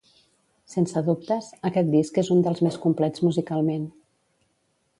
Sense dubtes, aquest disc és uns dels més complets musicalment.